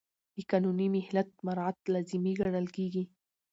د قانوني مهلت مراعات لازمي ګڼل کېږي.